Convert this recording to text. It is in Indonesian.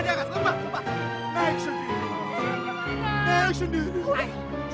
ini apa mak ini aleman udah siap